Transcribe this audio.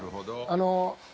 あの。